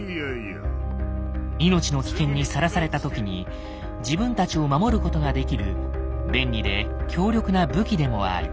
命の危険にさらされた時に自分たちを守ることができる便利で強力な武器でもある。